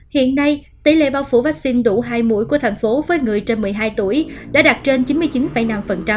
hiện nay tỷ lệ bao phủ vaccine đủ hai mũi của thành phố với người trên một mươi hai tuổi đã đạt trên chín mươi chín năm